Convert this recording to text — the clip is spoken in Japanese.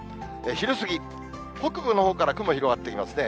昼過ぎ、北部のほうから雲広がってきますね。